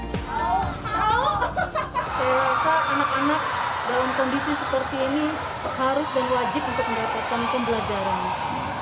saya rasa anak anak dalam kondisi seperti ini harus dan wajib untuk mendapatkan pembelajaran